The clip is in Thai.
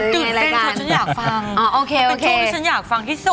ตื่นเต้นฉันอยากฟัง